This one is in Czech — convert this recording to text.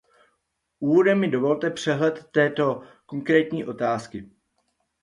Úvodem mi dovolte přehled této konkrétní otázky.